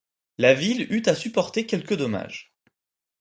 La ville eut à supporter quelques dommages.